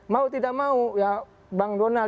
mau tidak mau ya bang donald